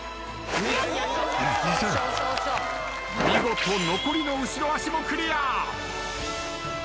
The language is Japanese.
見事残りの後ろ足もクリア。